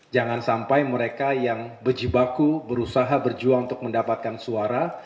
jangan sampai mereka yang berjibaku berusaha berjuang untuk mendapatkan suara